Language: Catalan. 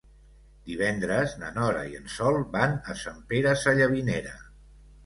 Divendres na Nora i en Sol van a Sant Pere Sallavinera.